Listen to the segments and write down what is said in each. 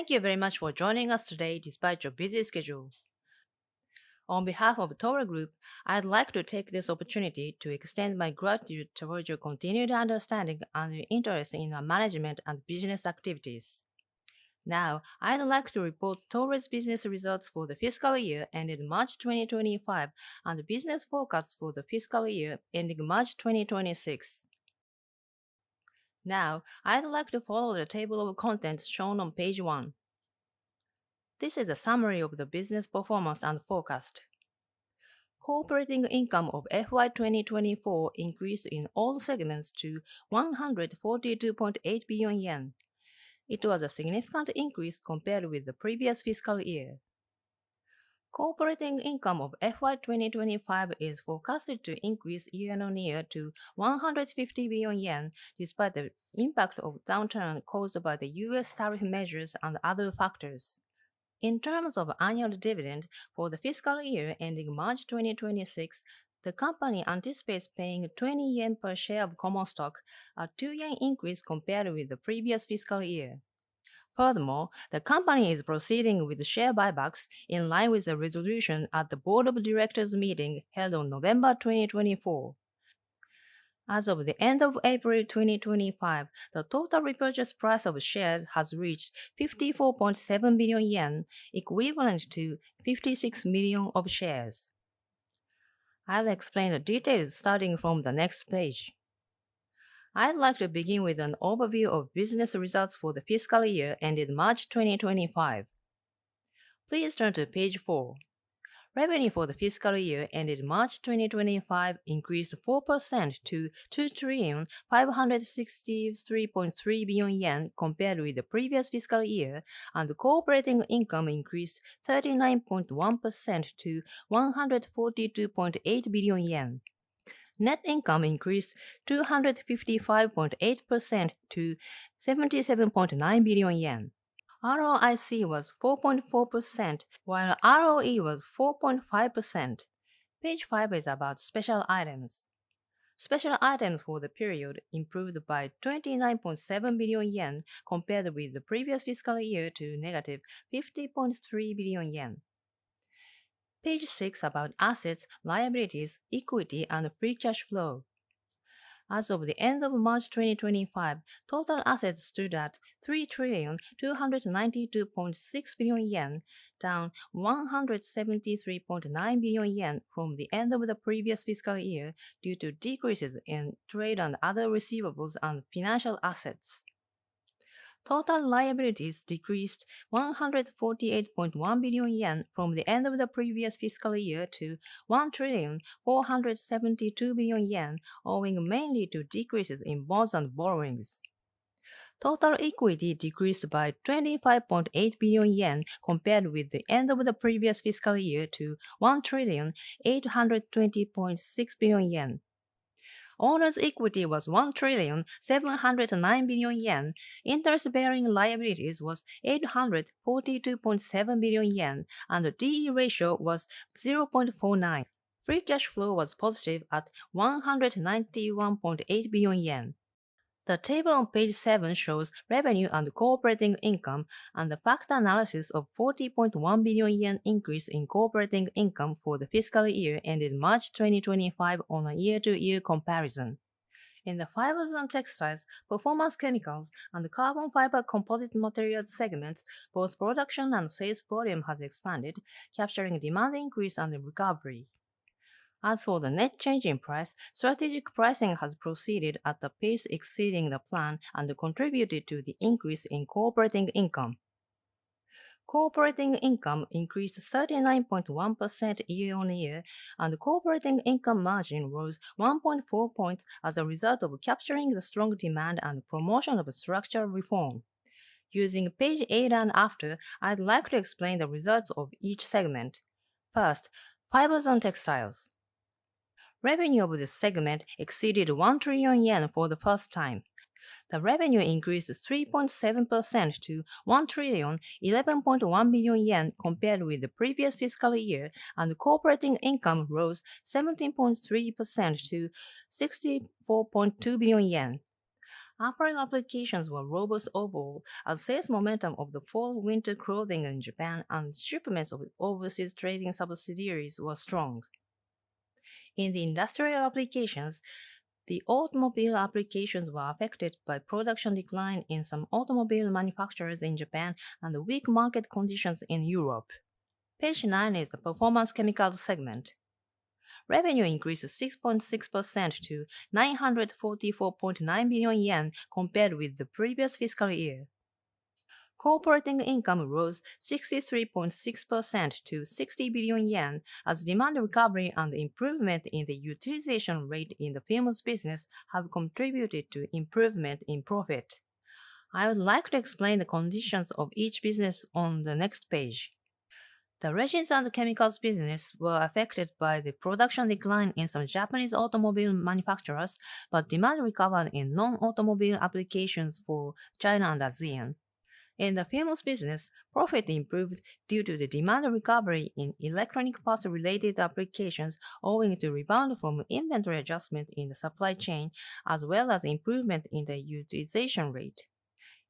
Thank you very much for joining us today despite your busy schedule. On behalf of Toray Group, I'd like to take this opportunity to extend my gratitude towards your continued understanding and your interest in our management and business activities. Now, I'd like to report Toray's business results for the fiscal year ending March 2025 and business forecasts for the fiscal year ending March 2026. Now, I'd like to follow the table of contents shown on page one. This is a summary of the business performance and forecast. Operating income of FY2024 increased in all segments to 142.8 billion yen. It was a significant increase compared with the previous fiscal year. Operating income of FY2025 is forecasted to increase year on year to 150 billion yen despite the impact of downturn caused by the U.S. tariff measures and other factors. In terms of annual dividend for the fiscal year ending March 2026, the company anticipates paying 20 yen per share of common stock, a 2 yen increase compared with the previous fiscal year. Furthermore, the company is proceeding with share buybacks in line with the resolution at the Board of Directors meeting held on November 2024. As of the end of April 2025, the total repurchase price of shares has reached 54.7 billion yen, equivalent to 56 million shares. I'll explain the details starting from the next page. I'd like to begin with an overview of business results for the fiscal year ending March 2025. Please turn to page four. Revenue for the fiscal year ending March 2025 increased 4% to 2,563.3 billion yen compared with the previous fiscal year, and the operating income increased 39.1% to 142.8 billion yen. Net income increased 255.8% to 77.9 billion yen. ROIC was 4.4%, while ROE was 4.5%. Page five is about special items. Special items for the period improved by 29.7 billion yen compared with the previous fiscal year to 50.3 billion yen. Page six about assets, liabilities, equity, and free cash flow. As of the end of March 2025, total assets stood at 3,292.6 billion yen, down 173.9 billion yen from the end of the previous fiscal year due to decreases in trade and other receivables and financial assets. Total liabilities decreased 148.1 billion yen from the end of the previous fiscal year to 1,472 billion yen, owing mainly to decreases in bonds and borrowings. Total equity decreased by 25.8 billion yen compared with the end of the previous fiscal year to 1,820.6 billion yen. Owner's equity was 1,709 billion yen. Interest-bearing liabilities was 842.7 billion yen, and the D/E ratio was 0.49. Free cash flow was positive at 191.8 billion yen. The table on page seven shows revenue and cooperating income and the fact analysis of 40.1 billion yen increase in cooperating income for the fiscal year ending March 2025 on a year-to-year comparison. In the fibers and textiles, performance chemicals, and carbon fiber composite materials segments, both production and sales volume has expanded, capturing demand increase and recovery. As for the net change in price, strategic pricing has proceeded at a pace exceeding the plan and contributed to the increase in cooperating income. Cooperating income increased 39.1% year on year, and the cooperating income margin rose 1.4 percentage points as a result of capturing the strong demand and promotion of structural reform. Using page eight and after, I'd like to explain the results of each segment. First, fibers and textiles. Revenue of this segment exceeded 1 trillion yen for the first time. The revenue increased 3.7% to 1 trillion, 11.1 billion yen compared with the previous fiscal year, and the cooperating income rose 17.3% to 64.2 billion yen. Offering applications were robust overall, as sales momentum of the fall winter clothing in Japan and shipments of overseas trading subsidiaries were strong. In the industrial applications, the automobile applications were affected by production decline in some automobile manufacturers in Japan and weak market conditions in Europe. Page nine is the performance chemicals segment. Revenue increased 6.6% to 944.9 billion yen compared with the previous fiscal year. Cooperating income rose 63.6% to 60 billion yen, as demand recovery and improvement in the utilization rate in the famous business have contributed to improvement in profit. I would like to explain the conditions of each business on the next page. The resins and chemicals business were affected by the production decline in some Japanese automobile manufacturers, but demand recovered in non-automobile applications for China and ASEAN. In the films business, profit improved due to the demand recovery in electronic parts-related applications, owing to rebound from inventory adjustment in the supply chain, as well as improvement in the utilization rate.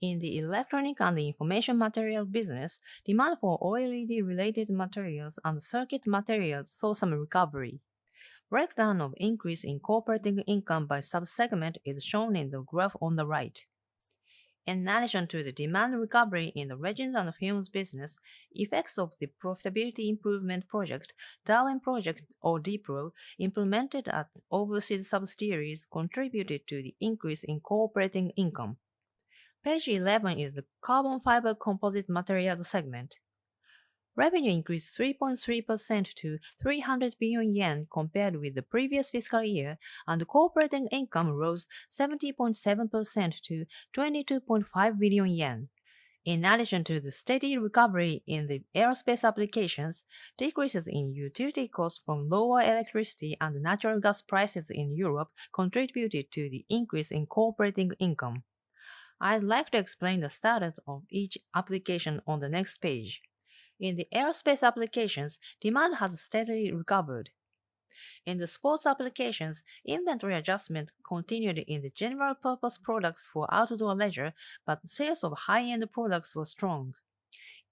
In the electronic and information material business, demand for OLED-related materials and circuit materials saw some recovery. Breakdown of increase in cooperating income by subsegment is shown in the graph on the right. In addition to the demand recovery in the resins and films business, effects of the profitability improvement project, Darwin Project or DPRO, implemented at overseas subsidiaries contributed to the increase in cooperating income. Page 11 is the carbon fiber composite materials segment. Revenue increased 3.3% to 300 billion yen compared with the previous fiscal year, and cooperating income rose 70.7% to 22.5 billion yen. In addition to the steady recovery in the aerospace applications, decreases in utility costs from lower electricity and natural gas prices in Europe contributed to the increase in cooperating income. I'd like to explain the status of each application on the next page. In the aerospace applications, demand has steadily recovered. In the sports applications, inventory adjustment continued in the general-purpose products for outdoor leisure, but sales of high-end products were strong.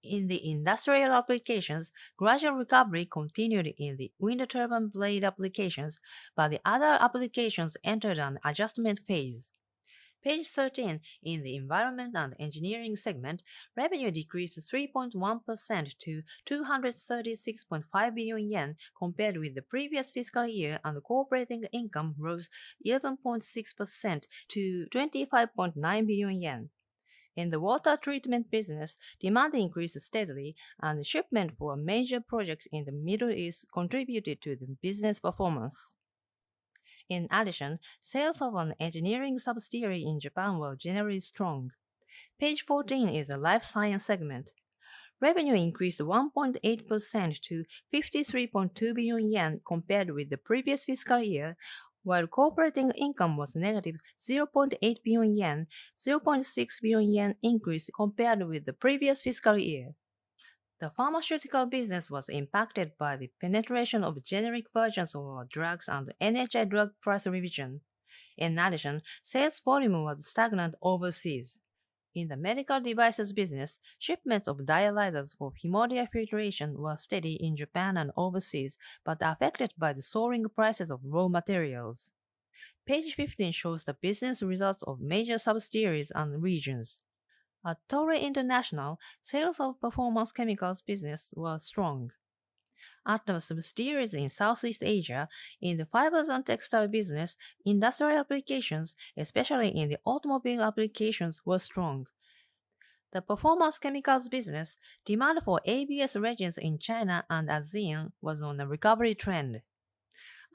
In the industrial applications, gradual recovery continued in the wind turbine blade applications, but the other applications entered an adjustment phase. Page 13 in the environment and engineering segment, revenue decreased 3.1% to 236.5 billion yen compared with the previous fiscal year, and cooperating income rose 11.6% to 25.9 billion yen. In the water treatment business, demand increased steadily, and shipment for a major project in the Middle East contributed to the business performance. In addition, sales of an engineering subsidiary in Japan were generally strong. Page 14 is the life science segment. Revenue increased 1.8% to 53.2 billion yen compared with the previous fiscal year, while operating income was negative 0.8 billion yen. JPY 0.6 billion increased compared with the previous fiscal year. The pharmaceutical business was impacted by the penetration of generic versions of drugs and the NHA drug price revision. In addition, sales volume was stagnant overseas. In the medical devices business, shipments of dialyzers for hemodial filtration were steady in Japan and overseas, but affected by the soaring prices of raw materials. Page 15 shows the business results of major subsidiaries and regions. At Toray International, sales of performance chemicals business were strong. At the subsidiaries in Southeast Asia, in the fibers and textile business, industrial applications, especially in the automobile applications, were strong. The performance chemicals business, demand for ABS resins in China and ASEAN was on a recovery trend.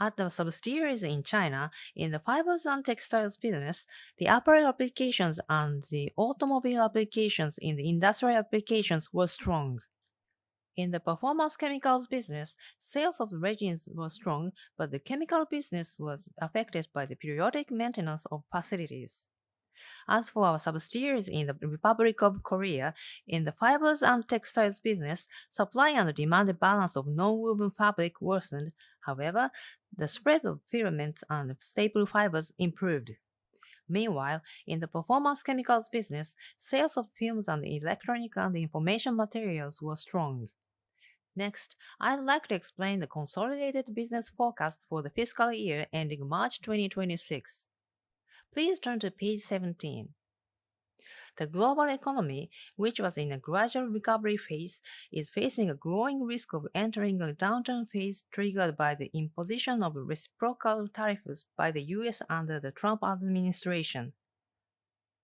At the subsidiaries in China, in the fibers and textiles business, the apparel applications and the automobile applications in the industrial applications were strong. In the performance chemicals business, sales of resins were strong, but the chemical business was affected by the periodic maintenance of facilities. As for our subsidiaries in the Republic of Korea, in the fibers and textiles business, supply and demand balance of non-woven fabric worsened, however, the spread of filaments and staple fibers improved. Meanwhile, in the performance chemicals business, sales of films and electronic and information materials were strong. Next, I'd like to explain the consolidated business forecast for the fiscal year ending March 2026. Please turn to page 17. The global economy, which was in a gradual recovery phase, is facing a growing risk of entering a downturn phase triggered by the imposition of reciprocal tariffs by the U.S. under the Trump administration.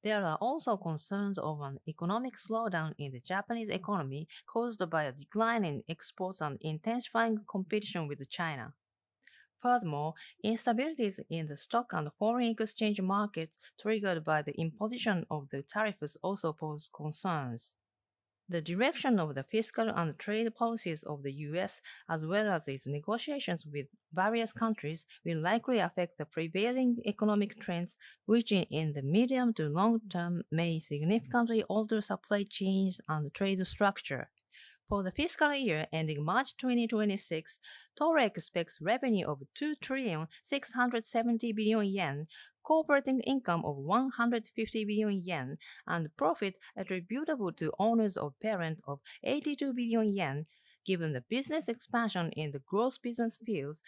There are also concerns of an economic slowdown in the Japanese economy caused by a decline in exports and intensifying competition with China. Furthermore, instabilities in the stock and foreign exchange markets triggered by the imposition of the tariffs also pose concerns. The direction of the fiscal and trade policies of the U.S., as well as its negotiations with various countries, will likely affect the prevailing economic trends, which in the medium to long term may significantly alter supply chains and trade structure. For the fiscal year ending March 2026, Toray expects revenue of 2,670 billion yen, cooperating income of 150 billion yen, and profit attributable to owners or parents of 82 billion yen, given the business expansion in the gross business fields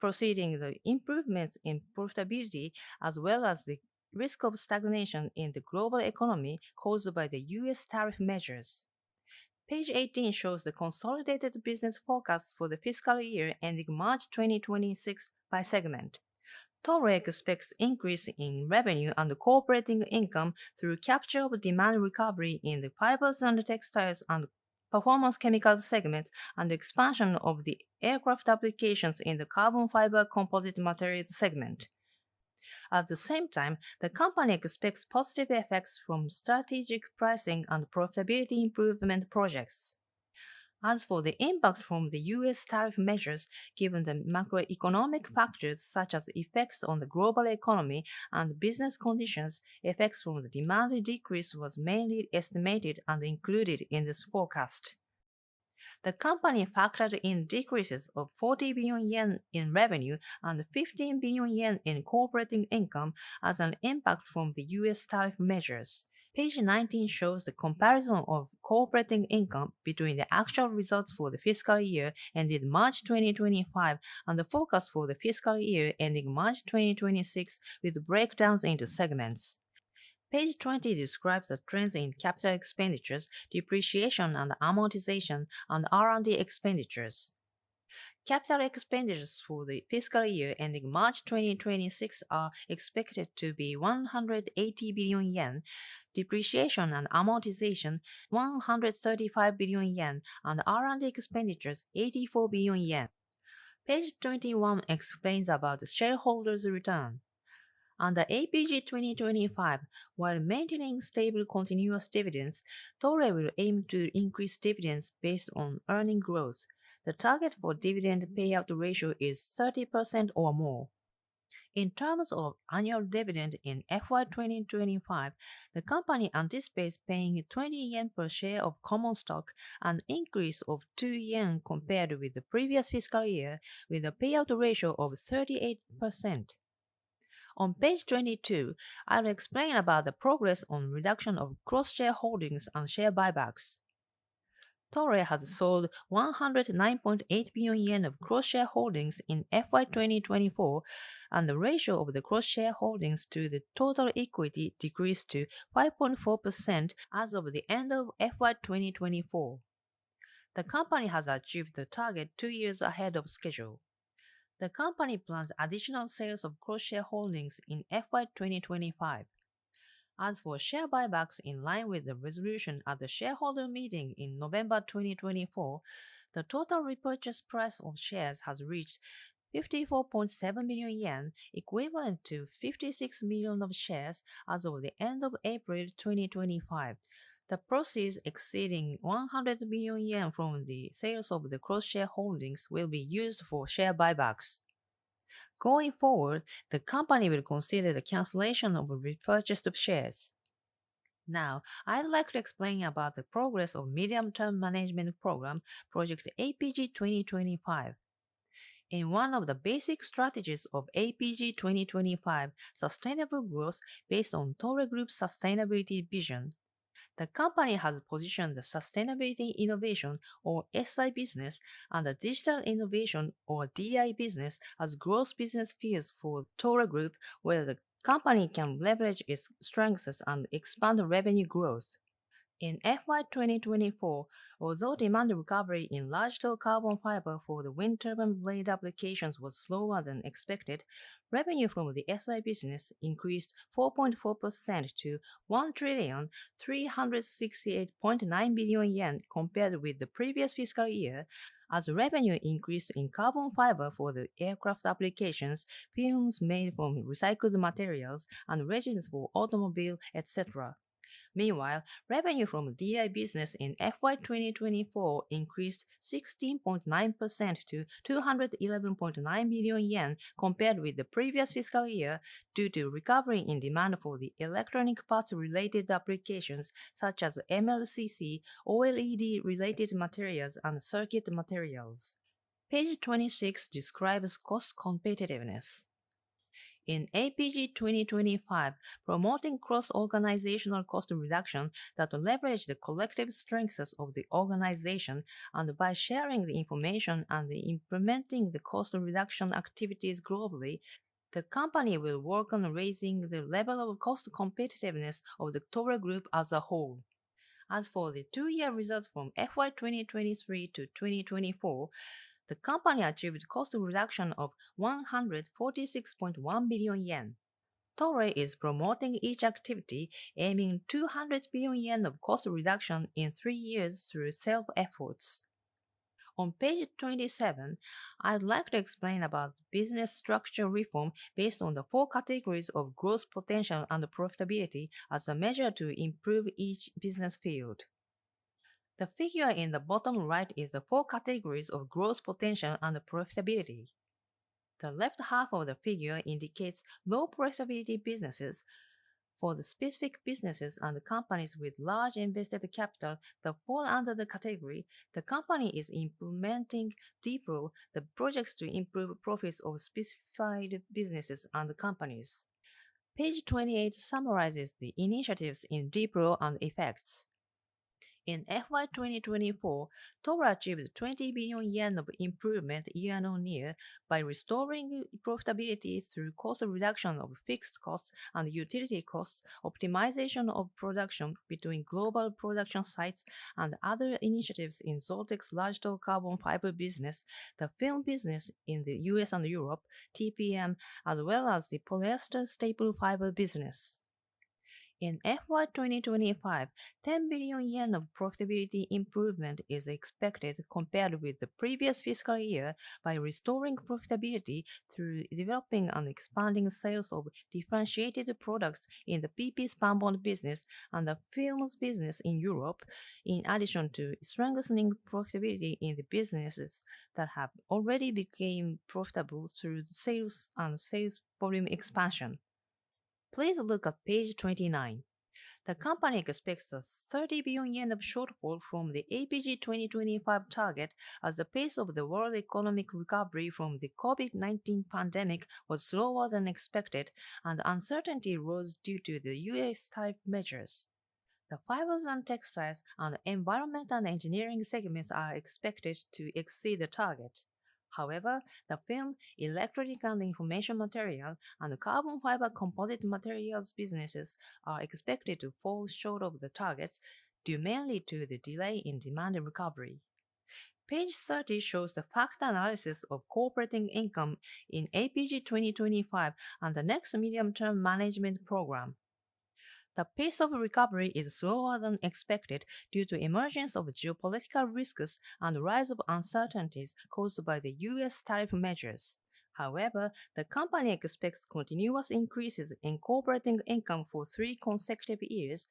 preceding the improvements in profitability, as well as the risk of stagnation in the global economy caused by the U.S. tariff measures. Page 18 shows the consolidated business forecast for the fiscal year ending March 2026 by segment. Toray expects increase in revenue and cooperating income through capture of demand recovery in the fibers and textiles and performance chemicals segments, and the expansion of the aircraft applications in the carbon fiber composite materials segment. At the same time, the company expects positive effects from strategic pricing and profitability improvement projects. As for the impact from the U.S. tariff measures, given the macroeconomic factors such as effects on the global economy and business conditions, effects from the demand decrease were mainly estimated and included in this forecast. The company factored in decreases of 40 billion yen in revenue and 15 billion yen in cooperating income as an impact from the U.S. tariff measures. Page 19 shows the comparison of cooperating income between the actual results for the fiscal year ending March 2025 and the forecast for the fiscal year ending March 2026, with breakdowns into segments. Page twenty describes the trends in capital expenditures, depreciation, and amortization, and R&D expenditures. Capital expenditures for the fiscal year ending March 2026 are expected to be 180 billion yen, depreciation and amortization 135 billion yen, and R&D expenditures 84 billion yen. Page 21 explains about the shareholders' return. Under APG 2025, while maintaining stable continuous dividends, Toray will aim to increase dividends based on earning growth. The target for dividend payout ratio is 30% or more. In terms of annual dividend in FY 2025, the company anticipates paying 20 yen per share of common stock, an increase of 2 yen compared with the previous fiscal year, with a payout ratio of 38%. On page 22, I'll explain about the progress on reduction of cross-share holdings and share buybacks. Toray has sold 109.8 billion yen of cross-share holdings in FY 2024, and the ratio of the cross-share holdings to the total equity decreased to 5.4% as of the end of FY 2024. The company has achieved the target two years ahead of schedule. The company plans additional sales of cross-share holdings in FY 2025. As for share buybacks, in line with the resolution at the shareholder meeting in November 2024, the total repurchase price of shares has reached 54.7 billion yen, equivalent to 56 million of shares as of the end of April 2025. The proceeds exceeding 100 billion yen from the sales of the cross-share holdings will be used for share buybacks. Going forward, the company will consider the cancellation of repurchased shares. Now, I'd like to explain about the progress of the medium-term management program, Project APG 2025. In one of the basic strategies of APG 2025, sustainable growth based on Toray Group's sustainability vision. The company has positioned the sustainability innovation, or SI business, and the digital innovation, or DI business, as growth business fields for Toray Group, where the company can leverage its strengths and expand revenue growth. In FY 2024, although demand recovery in large-scale carbon fiber for the wind turbine blade applications was slower than expected, revenue from the SI business increased 4.4% to 1 trillion, 368.9 billion yen compared with the previous fiscal year, as revenue increased in carbon fiber for the aircraft applications, films made from recycled materials, and resins for automobiles, etc. Meanwhile, revenue from DI business in FY 2024 increased 16.9% to 211.9 billion yen compared with the previous fiscal year, due to recovery in demand for the electronic parts-related applications such as MLCC, OLED-related materials, and circuit materials. Page 26 describes cost competitiveness. In APG 2025, promoting cross-organizational cost reduction that leverages the collective strengths of the organization, and by sharing the information and implementing the cost reduction activities globally, the company will work on raising the level of cost competitiveness of the Toray Group as a whole. As for the two-year results from FY 2023 to 2024, the company achieved cost reduction of 146.1 billion yen. Toray is promoting each activity, aiming for 200 billion yen of cost reduction in three years through self-efforts. On page 27, I'd like to explain about the business structure reform based on the four categories of growth potential and profitability as a measure to improve each business field. The figure in the bottom right is the four categories of growth potential and profitability. The left half of the figure indicates low profitability businesses. For the specific businesses and companies with large invested capital that fall under the category, the company is implementing DPRO, the projects to improve profits of specified businesses and companies. Page 28 summarizes the initiatives in DPRO and effects. In FY 2024, Toray achieved 20 billion yen of improvement year on year by restoring profitability through cost reduction of fixed costs and utility costs, optimization of production between global production sites, and other initiatives in ZOLTEX large-scale carbon fiber business, the film business in the U.S. and Europe, TPM, as well as the polyester staple fiber business. In FY 2025, 10 billion yen of profitability improvement is expected compared with the previous fiscal year by restoring profitability through developing and expanding sales of differentiated products in the PP spun bond business and the films business in Europe, in addition to strengthening profitability in the businesses that have already become profitable through sales and sales volume expansion. Please look at page 29. The company expects a 30 billion yen shortfall from the APG 2025 target as the pace of the world economic recovery from the COVID-19 pandemic was slower than expected, and uncertainty rose due to the U.S. tariff measures. The fibers and textiles and environment and engineering segments are expected to exceed the target. However, the films, electronic and information materials, and carbon fiber composite materials businesses are expected to fall short of the targets due mainly to the delay in demand recovery. Page 30 shows the fact analysis of cooperating income in APG 2025 and the next medium-term management program. The pace of recovery is slower than expected due to the emergence of geopolitical risks and the rise of uncertainties caused by the U.S. tariff measures. However, the company expects continuous increases in cooperating income for three consecutive years,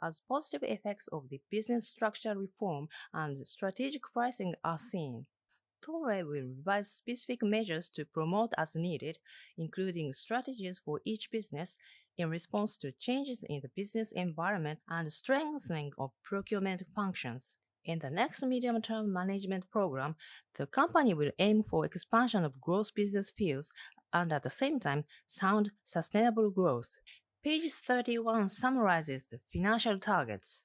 as positive effects of the business structure reform and strategic pricing are seen. Toray will revise specific measures to promote as needed, including strategies for each business, in response to changes in the business environment and strengthening of procurement functions. In the next medium-term management program, the company will aim for the expansion of growth business fields and, at the same time, sound sustainable growth. Page 31 summarizes the financial targets.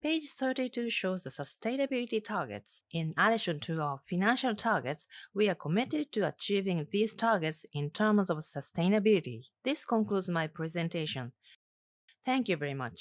Page 32 shows the sustainability targets. In addition to our financial targets, we are committed to achieving these targets in terms of sustainability. This concludes my presentation. Thank you very much.